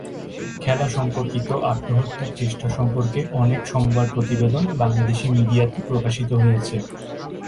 খেলা সম্পর্কিত আত্মহত্যার চেষ্টা সম্পর্কে অনেক সংবাদ প্রতিবেদন বাংলাদেশী মিডিয়াতে প্রকাশিত হয়েছে।